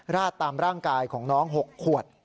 ราดตามร่างกายของน้อง๖ขวด